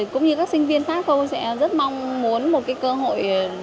cũng như các sinh viên phát câu sẽ rất mong muốn một cơ hội